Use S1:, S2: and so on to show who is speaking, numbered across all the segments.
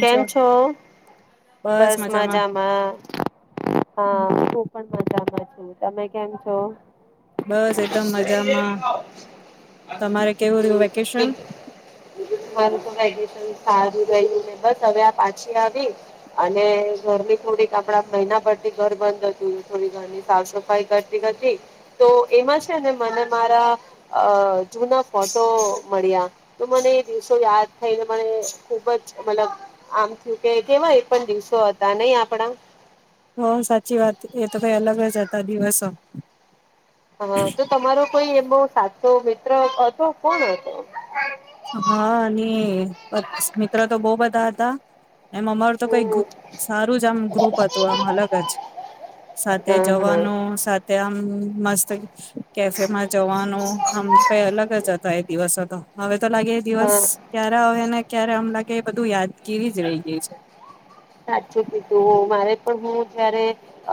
S1: કેમ છો બસ મજામાં હા હુ પણ મજામાં. હ તમે કેમ છો
S2: બસ એકદમ મજામાં. તમારે કેવું રહ્યું
S1: [unintelligible]
S2: વેકેશન?
S1: અમારું વેકેશન સારુ બસ હવે આ પાછી આવી અને ઘરની થોડીક આપડા મહિના પર થી ઘર બંધ હતું થોડી ઘણી ઘરની સાફ સફાઈ કરતી કરતી તો એમાં છે ને મને મારા અ જૂના ફોટો મળ્યા તો મને એ દિવસો યાદ થઈને મને ખુબ જ મતલબ આમ થયું કે કેવા એ પણ દિવસો હતા નહી આપણા
S2: હ સાચી વાત એ તો કઈ અલગ જ હતા દિવસો
S1: હા તો તમારો કોઈ એમ સાચો મિત્ર હતો કોણ હતો
S2: હા અને બસ મિત્ર તો બહુ બધા હતા એમ અમારું તો કઈ
S1: હમ
S2: સારું જ આમ ગ્રુપ હતું આમ અલગ જ સાથે
S1: હા હા
S2: જવાનું સાથે આમ મસ્ત કેફેમાં જવાનું આમ કઈ અલગ જ હતા એ દિવસ તો હવે તો લાગે એ દિવસ
S1: હા
S2: ક્યારે આવે ને ક્યારે આમ લે ક બધું યાદગીરી જ રહી ગઈ છે
S1: સાચું કી તું મારે પણ હું જયારે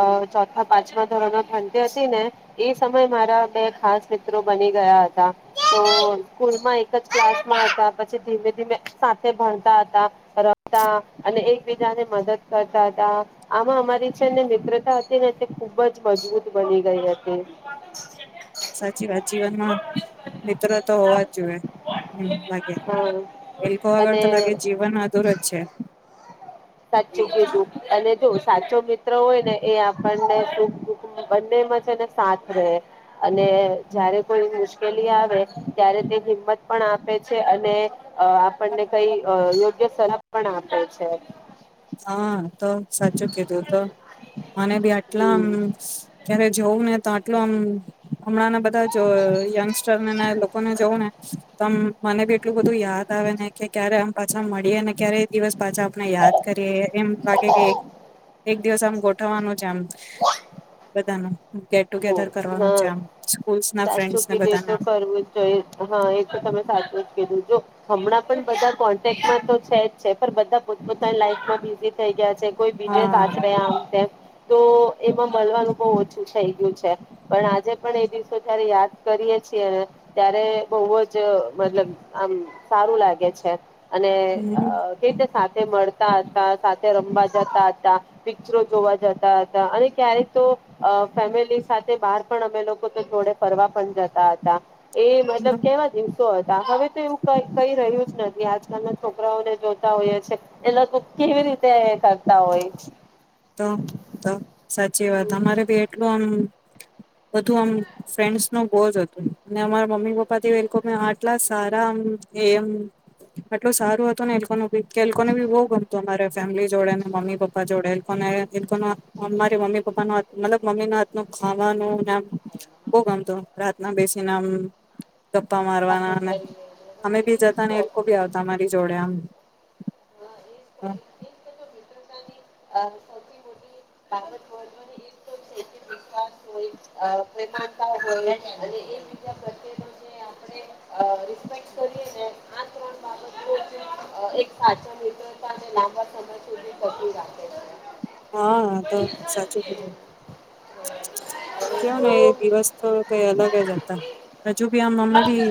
S1: અ ચોથા પાંચમા ધોરણો ભતી હતી ને એ સમય મારા બે ખાસ મિત્રો બની ગયા હતા તો સ્કૂલમાં એક જ ક્લાસમાં હતા પછી ધીમે ધીમે સાથે ભણતા હતા રમતા અને બીજા ને મદદ કરતા હતા આમાં અમારી છેને મિત્રતા હતી ને તે ખુબ જ મજબૂત બની ગઈ હતી
S2: સાચી વાત જીવનમાં મિત્ર તો હોવા જ જોઈએ એમ લાગે
S1: હમ
S2: એલોકો આગળ
S1: અને
S2: તો લાગે જીવન અધુર જ છે
S1: સાચું કીધું અને જો સાચો મિત્ર હોય ને એ આપણને સુખ દુઃખ બંનેમાં છેને સાથ રહે અને જયારે કોઈ મુશ મુશ્કેલી આવે ત્યારે તે હિંમત પણ આપે છે અને અ આપણને કઈ અ યોગ્ય સલાહ પણ આપે છે
S2: હા તો સાચું કીધું તો મને બી આટલામ
S1: હમ
S2: ક્યારે જોઉું ને તો આટલ આમ હમણાં ના બધા જો યંગસ્ટર ને ને લોકોને જોવ ને તો મને બી એટલું બધું યાદ આવે ને કે ક્યારે પાછા મળીએ ને ક્યારે દિવસ પાછા આપણે યાદ કરી એમ લાગે કે એક દિવસ આમ ગો પવાનું છે આમ બધાનું ગેટ
S1: હ
S2: ટુગેધર
S1: હ
S2: કરવાનું છે આમ સ્કૂલ્સ ના
S1: સાત
S2: ફ્રેન્ડસ ને
S1: ચુંકી દે
S2: બધાને
S1: તો
S2: આમ
S1: કરવું જ જોઈએ હા એ તો તમે સાતું કીધું જો હમણાં પણ બધા કોન્ટેકમાં તો છે જ છે બધા પોતતાની લાઈફમાં બીઝી થઈ ગયા કોઈ બીજે
S2: હા
S1: સાચરે આમ તેમ તો એમાં મળવાનું બહ ઓછું છે બું છે પણ આજે પણ એ દિવસો ત્યારે યાદ કરીએ છીએ ત્યારે બહુ જ મતલબ આમ સારું લાગે છે અને
S2: હમ
S1: કે રીતે સાથે મળ સા સા સાથે રમવા જતા હતા પિક્ચરો જોવા જતા હતા અને ક્યારેક તો અ ફેમિલી સાથે બહાર પણ અમે લોકો તો જોડે ફરવા પણ જતા હતા એ મતલબ
S2: હમ,
S1: કેવા દીવ વસો હતા હવે તો એવું કઈ કઈ રહ્યું જ નથી આજકાલના છોકરાઓને જોતા હોઈએ છે એટલે તો કેવી રીતે કરતા હોય
S2: તો તો સાચી વાત અમારે ભી એટલું આમ બધું આમ ફ્રેન્ડનું બોઉજ હતું અને અમારા મમ્મી પપ્પા એ લોકો આટલા સારા આમમ આટલુ સારું હતું ને એ લોકોનું કેમ કે એ લોકોને બી બહુ ગમતું અમારે ફેમિલી જોડે મમ્મી પપ્પા જોડે કોને એ લોકોને મારી મમ્મી પપ્પાના હાથ મતલબ મમ્મીના હાથના ખાવાનું એમ બઉ ગમતું રાત ના બેસીને આમ ગપ્પા મારવાના
S1: વાતો
S2: અને અમે બી જતા ને એ
S1: કરી
S2: લોકો બી આવતા અમારી જોડે આમ હા
S1: ૌ મોતેકં સમય [unintelligible] એ બી પકડી રાખે છે
S2: હા તો સાચું કીધું
S1: અને
S2: કેવ ને
S1: જો
S2: એ
S1: મિત-
S2: દિવસ તો કઈ અલગ જ હતા હજુ બી આમ અમે ભી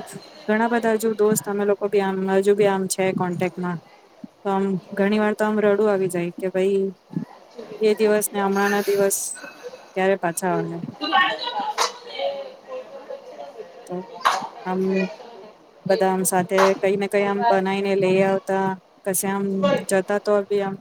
S2: ઘણા બધા હજુ દોસ્ત અમે લોકો ભી આમ જ જો ભઈ આમ છે કોન્ટેકમાં તો આમ ઘણી વાર તો આમ રડું આવી જાય કે ભઈ એ દિવસ ને હમણાં ના દિવસ ક્યારે પાછા હ [unintelligible]
S1: હ [unintelligible]
S2: તો આમ
S1: એ
S2: બધામ
S1: લોકો
S2: સાથે
S1: જોડે
S2: કઈને કઈ
S1: કોઈ
S2: આમ
S1: વાર
S2: બનાવીને લઈ આવતા કશે આમ જતા તો બી આમ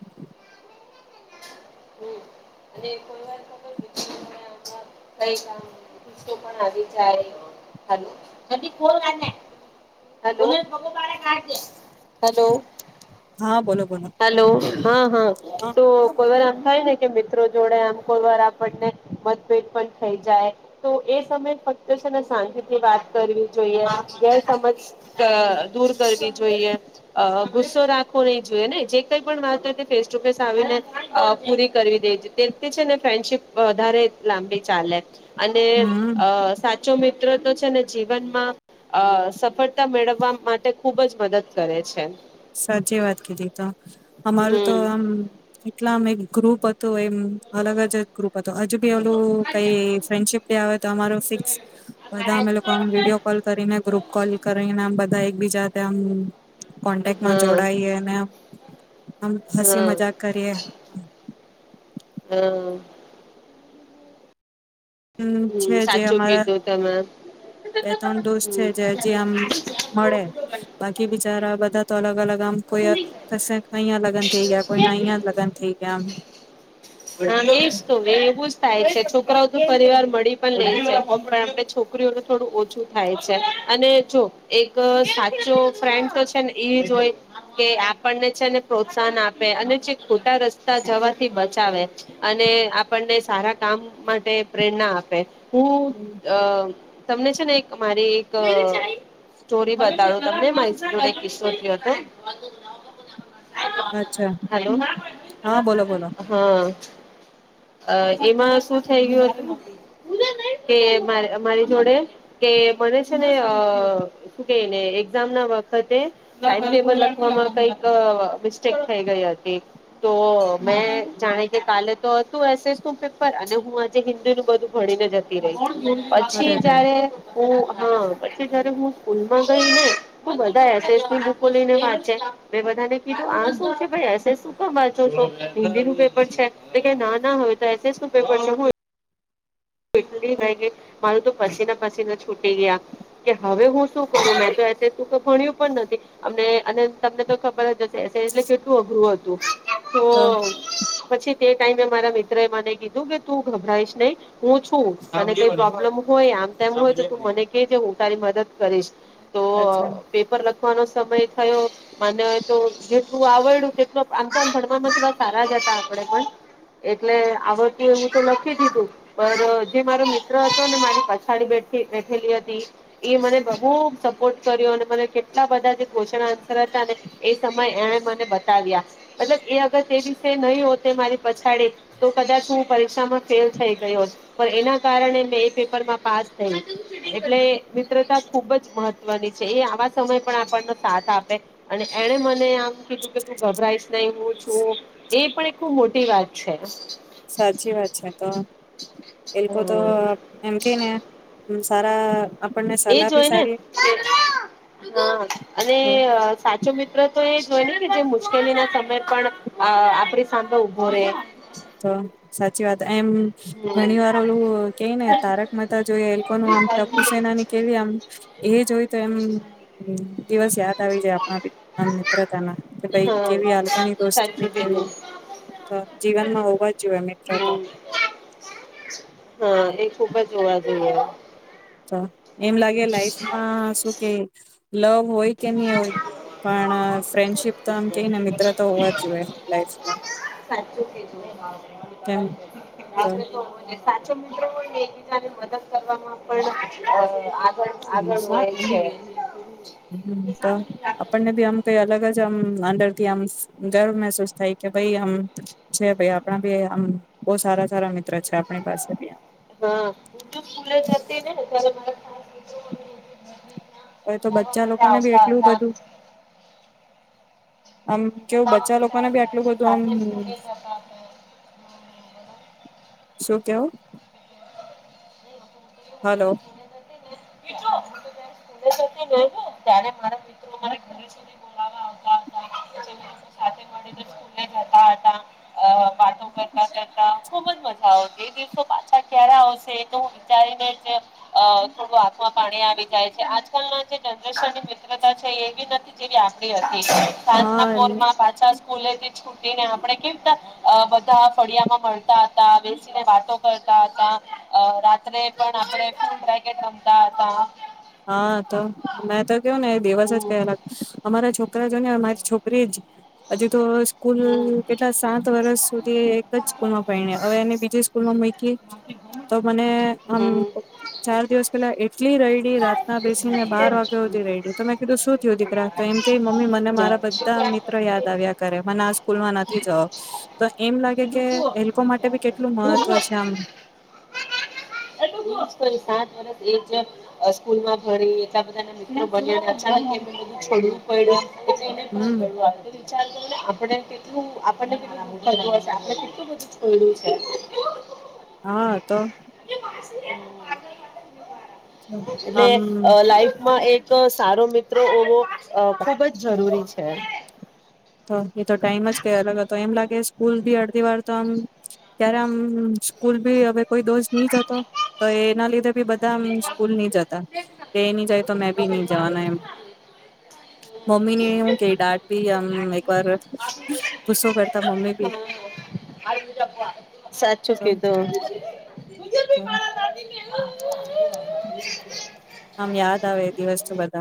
S1: કો [unintelligible]
S2: હા બોલો બોલો
S1: હલો હા હા તું કોઈ વારા થઇ શકે મિત્રો જોડે આમ કો વાર આપણને મતભેદ પણ થઈ જાય તો એ સમયે ફક્ત છે ને શાંતિથી વાત કરવી જોઈએ ગેરસમજ દૂર અ કરવી જોઈએ અ ગુસ્સો રાખવો નહી જોઈએ ને જે કઈ પણ વાત ફેસ ટુ ફેસ આવીને અ પૂરી કરવી દેવી જોઈએ તે છે ને ફ્રેન્ડશીપ વધારે લાંબી ચાલે અને
S2: હમ
S1: અ સાચો મિ ત્રો છે ને જીવનમાં અ સફળતા મેળવવા માટે ખુબ જ મદદ કરે છે
S2: સાચી વાત કીધી તો અમારું તો
S1: હમ
S2: આમ એટલામેં ગ્રુપ હતું એમ અલગ જ ગ્રુપ હતો હજુ બી ઓલું કઈ ફ્રેન્ડશીપ ડે આવે તો અમારો ફિક્સ બધા અમે લોકો વિડીયો કોલ કરીને ગ્રુપ કોલ કરીનેમ બધા એ બીજા તેમ આમ માં
S1: હા
S2: જોડાઈએ ને આમ હસી
S1: હા
S2: મજાક કરીએ
S1: હા
S2: છે
S1: હમ
S2: જે
S1: સાચું
S2: અમારા
S1: કીધું તમે
S2: બે ત્રણ દોસ્ત છે
S1: હમ
S2: જે જે આમ મળે બાકી બિચારા બધા તો અલગ અલગ આમ કોઈ ક અહં લગ્ન થઈ ગયા કોઈ ના અહિયાં લગ્ન થઈ ગયા આમ
S1: હ તો બ થાય છે છોકરાઓ તો પરિવાર મળી પણ નઈ છે પણ આપણે છોકરીઓનું થોડું ઓછું થાય છે અને જો એક સાચો ફ્રેન્ડ તો છે ને એ જ હોય કે આપણને છે ને પ્રોત્સાહન આપે અને જે ખોટા રસ્તા જવાથી બ અને આપણને સારા કામ માટે પ્રેરણા આપે હું અ તમને છે ને એક મારી એક સ્ટોરી બતાડો તમને મારીૂ ન એક કિસ્સો થ હતો
S2: અચ્છા હા બોલો બોલો
S1: હ એમાં શું થઈ ગયું હતું કે મારી જોડે કે મને છે ને શું કેને એક્ઝામ ના વખતે ટાઈમટેબલ લખવામાં કઈક મિસ્ટેક થઈ ગઈ હતી તો મે જાણે કે કાલે તો હતું એસએસ નું પેપર અને હું આજે હિન્દી નું બધું ભણીને જતી રહી પછી
S2: અરે રે
S1: જયારે હું હા પછી જયારે હું સ્કૂલમાં ગઈ ને બધા એસસની બુકો લઈને વાંચે મેં બધાને કીધું આ શું છેસું વાંચો છો હિન્દી છે તો કે ના ના હોય તો એસએસ નું પેપર ન હોય એટલી કે મારું તો પસીના પસીના છૂટી ગયા કે હવે હું શું કરું મે તો ભણ્યું પણ નથી અમને અને તમને તો ખબર જ હશે એસ એટલે કેટલું અઘરું હતું
S2: તો
S1: હમ પછી તે ટાઈમે મારા મિત્ર એ મને કીધું કે તું ગભરાઈશ નહી હું છું અને કઈ પ્રોબ્લેમ હોય આમ તેમ હોય તો તું મને કે છે હું તારી મદદ કરીશ તો
S2: અચ્છા
S1: પેપર લગતા ન સમય થયો માનેય તો જેટલું આવડ્યું કેટલ આતાામ ભણવાવામાં થડા સારા જ હતા આપણેે પણ એટલે આવડતી એ હું તો લખી દીધું પર જે મારો મિત્ર હતો ને મારી પછાડી બેઠેલી હતી એ મને બહુ સપોર્ટ કર્યો અને મને કેટલા બધા જે ક્વેશ્ચન આન્સર હતા ને એ સમયે એણે મને બતાવ્યા મતલબ એ અગર તે વિશે નહી હોતે મારી પછાડી તો કદાચ હું પરીક્ષામાં ફેલ થઈ ગયો પણ એના કારણે મેં એ પેપરમાં પાસ થય એટલે મિત્રતા ખુબ જ મહત્વની છે એ આવા સમય પણ આપણનો સાથ આપે અને એણે મને આમ કીધું કે તું ગભરાઈશ ન હું છું એ પણ એક ખ મોટી વાત છે
S2: સાચી વાત છે તો એ લોકો તો
S1: હમ
S2: એમ કે ને ત
S1: એ જો હોય ને હ અને
S2: આપે.
S1: સાચો મિત્ર તો એ જોઈ જે મુશ્કેલી ના સમય પણ આપડી સામે ઉભો રહેે
S2: તો સાચી વાત એમ ઘણી વાર ઓલું કે ને તારક મતા જોઈ એ લોકોનું આમ ટપુ સેના ની કેવી આમ એ જોય તો એમ દિવસ યાદ આવી જાય આપણા મિત્રતાના કે ભાઈ
S1: હા
S2: કેવી હલ્પની દોસ્તીને
S1: સાચું
S2: કેવી
S1: કીધું
S2: જીવન હોવા જ જોઈએ મિત્રો તો
S1: હમ હા એ ખુબ જ હોવા એયા
S2: તો એમ લાગે લાઈફમાં શું કે લોંગ હોય કે નહી હોય પણ ફ્રેન્ડશીપ તો એમ કે ને મિત્ર તો હોવા જ જોઈએ લાઈફમાં
S1: સાચું કીધું
S2: કેમ તો
S1: આપણે હોય ને, સાચો મિત્રો હોયને એકબીજા ને મદદ કરવામાં પણ આગળ આગળ વધે છે
S2: [unintelligible] તો આપણને ભી આમ કઈ અલગ જ આમ અંદરથી આમ ગર્વ મહેસૂસ થાય કે ભાઈ આમ છે ભ આપણા ભ આમ બહુ સારા સારા મિત્ર છે આપણી પાસે બી આમ
S1: હા હ તો સુરત જતી રહી ને [unintelligible]
S2: હવે તો બચ્ચા
S1: માટે
S2: લોકોને બી
S1: આવતા
S2: એટલું
S1: હતા
S2: બધું આમ કેવું
S1: બોલાવવા
S2: બચા
S1: માટે
S2: લોકોને બી આટલું બધું
S1: સાથે
S2: એમ
S1: સ્કૂલે જતા હતા.
S2: શું કેવું હલો
S1: હલે જ ત્યારે મારા મિત્રો મારા ઘરે સુધી બોલાવા આવતા હતા જતા હતા વાતો કરતા કરતા ખુબ જ મજા આવ બે દિવસો પાછા ક્યારે આવશે એ તો વિચારીને જ થોડું આંખમાં પાણી આવી જાય છે આજકાલના જે જનરેશનની મિત્રતા છે એવી નથી જેવી આપડી હતી સાંજ
S2: હા
S1: નાં પોરમાં પાછા સ્કૂલ થી છૂટીને આપણે કેવી રીતે બધા ફળિયા માં મળતા હતા બેસીને વાતો કરતા રાત્રે પણ આપણે ફૂડ પેકેટ રમતા હતા
S2: હા તો મેં તો એવું કયો ને એ દિવસ જ કર્યો અમારા છોકરા છોકરા જો ને મારી છોકરી જ હજુ તો સ્કૂલ
S1: હમ
S2: કેટલા સાત વર્ષ સુધી એક જ સ્કૂલમાં પને હવે એને બીજી સ્કૂલમાં મૂકી તો મને આમ
S1: હમ
S2: ચાર દિવસ પેલા એટલી રઈડ ત્યાં બેસીને બાર વાગે સુધી રહીડી તો મેં કીધું શું થયું દીકરા તો એમ કે મમ્મી મને મારા બધા મિત્રો યાદ આવ્યા કરે મને આ સ્કૂલમાં નથી જવું તો એમ લાગે કે એે લોકો માટે બી કેટલું મહત્વ છે આમ
S1: કદાચ એ જેમ આ સ્કૂલમાં ભરી એટલા બધા ના મિત્રો બન્યા [unintelligible] છોડું પડ્યું ને
S2: હમ
S1: પણું વિચારને આપડ કેટલું આપ તને કેટલું સમજાઈ ગયું હશે આપણે કેટલું છોડ્યું છે
S2: હા તો
S1: [inaudible] એટલે
S2: આમ
S1: અ લાઈફમાં એક તો સારો મિત્રો હોવો ખુબ જ જરૂરી છે
S2: તો એ તો ટાઈમ જ કે અલગ તો એમ લાગે સ્કૂલ બી અડધી વાર તો આમ ત્યારે આમ સ્કૂલ બી હવે કોઈ દોષ નહી જતો તો એના લીધે બી બધા આમ સ્કૂલ નહી જતા કે એ નહી જાય તો મેં બી નહી જવાનો એમ મમ્મી ને એવું કે ડાડ બી આમ હમ એક વાર ગુસ્સો કરતા મમ્મી ભી
S1: સાચું કીધું [inaudible]
S2: આમ યાદ આવે દિવસ તો બધા